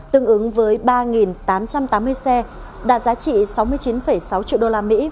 tương ứng với ba tám trăm tám mươi xe đạt giá trị sáu mươi chín sáu triệu usd